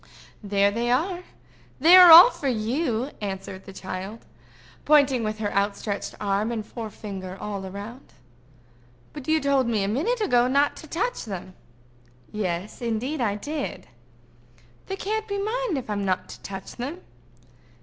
"There they are; they are all for you," answered the child, pointing with her outstretched arm and forefinger all round. "But you told me, a minute ago, not to touch them." "Yes, indeed, I did." "They can't be mine, if I'm not to touch them."